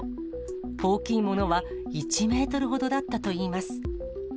大きいものは１メートルほどだったといいます。